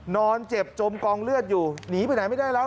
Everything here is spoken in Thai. นอนเจ็บจมกองเลือดอยู่หนีไปไหนไม่ได้แล้ว